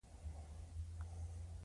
لاندې څړځای ته کوز شوو.